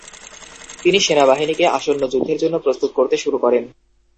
তিনি সেনাবাহিনীকে আসন্ন যুদ্ধের জন্য প্রস্তুত করতে শুরু করেন।